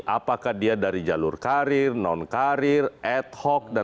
apakah dia dari jalur karir non karir ad hoc dan lain lain